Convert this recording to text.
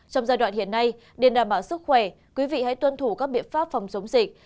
trong giai đoạn hiện nay để đảm bảo sức khỏe quý vị hãy tuân thủ các biện pháp phòng chống dịch